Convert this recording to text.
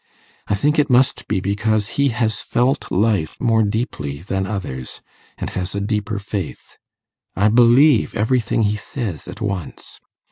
I think it must be because he has felt life more deeply than others, and has a deeper faith. I believe everything he says at once.